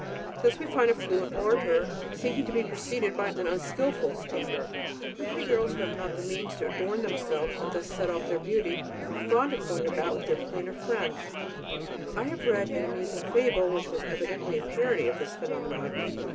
Thus we find a fluent orator seeking to be preceded by an unskilful speaker; and pretty girls who have not the means to adorn themselves and thus set off their beauty, are fond of going about with their plainer friends. I have read an amusing fable, which was evidently a parody of this phenomenon.